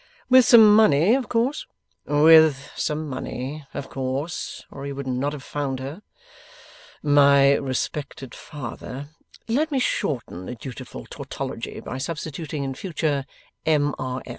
'With some money, of course?' 'With some money, of course, or he would not have found her. My respected father let me shorten the dutiful tautology by substituting in future M. R.